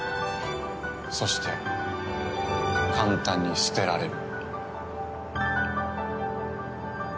そして簡単に捨てられる。